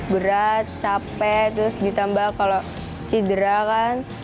berat capek terus ditambah kalau cedera kan